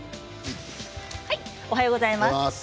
おはようございます。